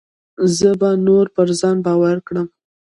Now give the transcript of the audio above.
زه به نور پر ځان باوري کړم.